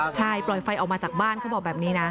ใช่ปล่อยไฟออกมาจากบ้านเขาบอกแบบนี้นะ